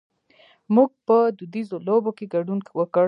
مونږ په دودیزو لوبو کې ګډون وکړ.